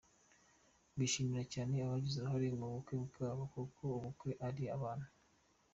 Bashimira cyane abagize uruhare mu bukwe bwabo kuko ubukwe ari abantu.